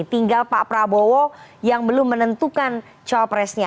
tinggal pak prabowo yang belum menentukan cowok presnya